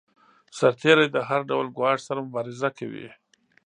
سرتیری د هر ډول ګواښ سره مبارزه کوي.